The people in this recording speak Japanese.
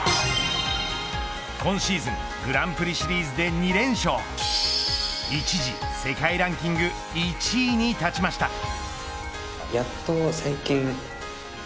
今シーズングランプリシリーズで２連勝一時、世界ランキング１位に立ちました。